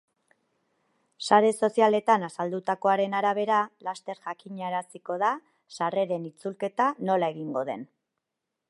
Sare sozialetan azaldutakoaren arabera, laster jakinaraziko da sarreren itzulketa nola egingo den.